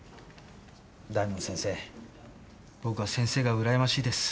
大門先生僕は先生が羨ましいです。